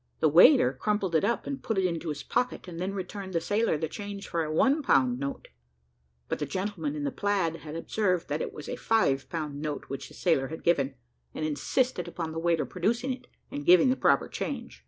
The waiter crumpled it up and put it into his pocket, and then returned the sailor the change for a one pound note: but the gentleman in the plaid had observed that it was a five pound note which the sailor had given, and insisted upon the waiter producing it, and giving the proper change.